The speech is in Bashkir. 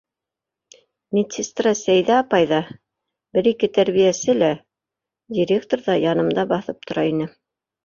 Медсестра Сәйҙә апай ҙа, бер-ике тәрбиәсе лә, директор ҙа янымда баҫып тора ине.